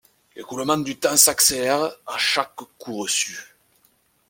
L'écoulement du temps s'accélère à chaque coup reçu.